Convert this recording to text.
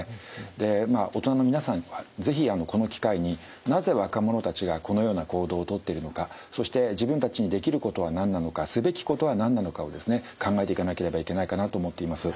でまあ大人の皆さんには是非この機会になぜ若者たちがこのような行動を取ってるのかそして自分たちにできることは何なのかすべきことは何なのかをですね考えていかなければいけないかなあと思っています。